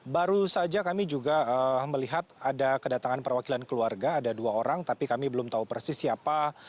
baru saja kami juga melihat ada kedatangan perwakilan keluarga ada dua orang tapi kami belum tahu persis siapa